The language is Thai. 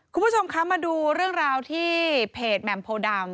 คุณผู้ชมคะมาดูเรื่องราวที่เพจแหม่มโพดำ